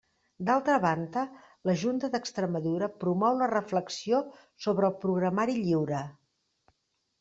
D'altra banda, la Junta d'Extremadura promou la reflexió sobre el programari lliure.